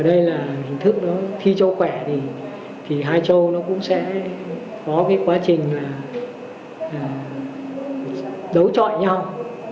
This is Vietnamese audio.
ở đây là hình thức đó thi châu khỏe thì hai trâu nó cũng sẽ có cái quá trình là đấu chọi nhau